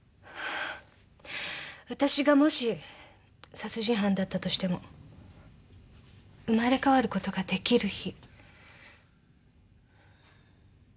あたしがもし殺人犯だったとしても生まれ変わることができる日。